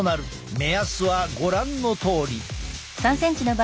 目安はご覧のとおり。